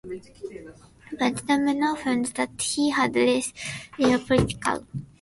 But Denman found that he had less real political influence than any previous Governor-General.